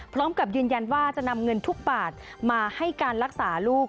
พร้อมกับยืนยันว่าจะนำเงินทุกบาทมาให้การรักษาลูก